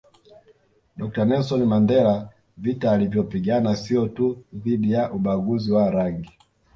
Dr Nelson Mandela vita alivyopigana sio tu dhidi ya ubaguzi wa rangi